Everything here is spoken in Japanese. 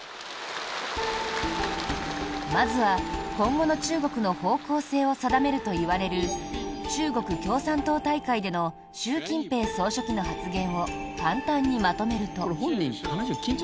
まずは、今後の中国の方向性を定めるといわれる中国共産党大会での習近平総書記の発言を簡単にまとめると。